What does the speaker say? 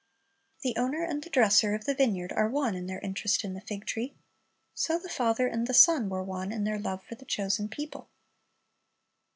The owner and the dresser of the vineyard are one in their interest in the fig tree. So the Father and the Son were one in their love for the chosen people.